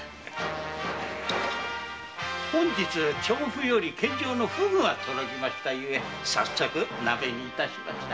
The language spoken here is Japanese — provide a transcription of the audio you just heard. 本日献上のフグが届きましたゆえ早速ナベに致しました。